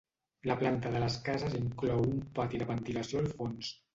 La planta de les cases inclou un pati de ventilació al fons.